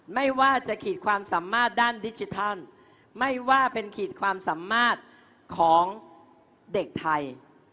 ไม่ว่าจะขีดความสามารถด้านดิจิทัลไม่ว่าเป็นขีดความสามารถของเด็กไทย